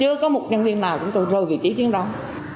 chưa có một nhân viên nào chúng tôi rơi vị trí chiến đấu